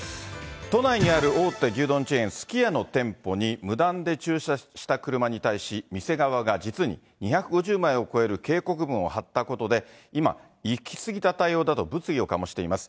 都内にある大手牛丼チェーン、すき家の店舗に無断で駐車した車に対し、店側が実に、２５０枚を超える警告文を貼ったことで今、行き過ぎた対応だと物議を醸しています。